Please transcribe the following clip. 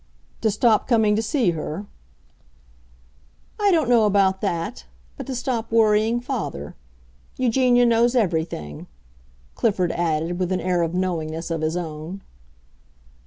"To stop coming to see her?" "I don't know about that; but to stop worrying father. Eugenia knows everything," Clifford added, with an air of knowingness of his own.